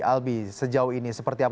albi sejauh ini seperti apa